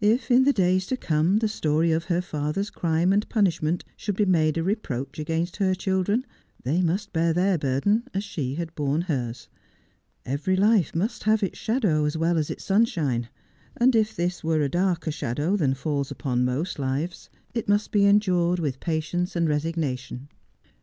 If in the days to come the story of her father's crime and punishment should be made a re proach against her children, they must bear their burden as she had borne hers. Every life must have its shadow as well as its sunshine ; and if this were a darker shadow than falls upon most lives, it must be endured with patience and resignation.